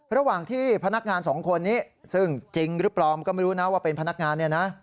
ระหว่างที่พนักงานสองคนนี้ซึ่งจริงหรือเปล่าก็ไม่รู้นะว่าเป็นพนักงานเนี่ยนะ